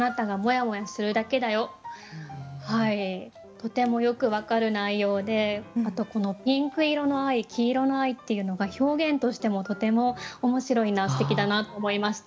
とてもよく分かる内容であとこの「ピンク色の愛」「黄色の愛」っていうのが表現としてもとても面白いなすてきだなと思いました。